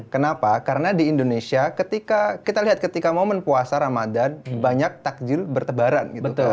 kenapa karena di indonesia ketika kita lihat ketika momen puasa ramadan banyak takjil bertebaran gitu